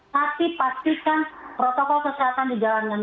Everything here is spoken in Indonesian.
tapi pastikan protokol kesehatan dijalankan